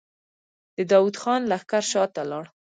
د داوود خان لښکر شاته لاړ.